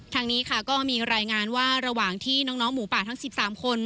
ทางนี้ค่ะก็มีรายงานว่าระหว่างที่น้องหมูป่าทั้ง๑๓คน